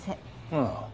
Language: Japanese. ああ。